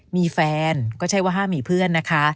มีแฟนก็ใช่ว่าห้ามมีเพื่อนนะคะ